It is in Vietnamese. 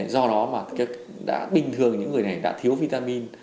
do đó mà bình thường những người này đã thiếu vitamin